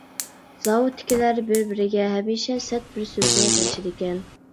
زاۋۇتتىكىلەر بىر-بىرىگە ھەمىشە سەت بىر سۆزنى قىلىشىدىكەن.